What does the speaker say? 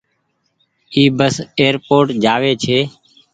اي بس ايئر پوٽ جآ وي ڇي۔